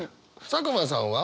佐久間さんは？